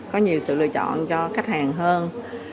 có nhiều sự lựa chọn cho khách hàng hơn